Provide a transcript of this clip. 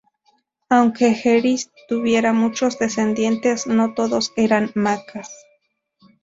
Aunque Eris tuviera muchos descendientes, no todos eran macas.